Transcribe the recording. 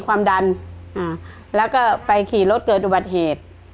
ความดันอ่าแล้วก็ไปขี่รถเกิดอุบัติเหตุ